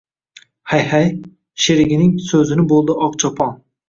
– Hayt-hayt! – sherigining so‘zini bo‘ldi Oqchopon